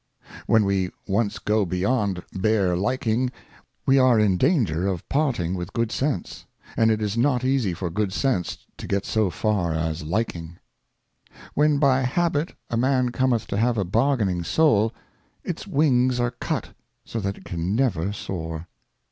^^^g ^if. When we once go beyond bare liking, we are in danger oiferent. parting with Good Sense ; and it is not easy for Good Sense to get so far as liking. WHEN by habit a Man cometh to have a bargaining Soul, Lucre. its Wings are cut, so that it can never soar.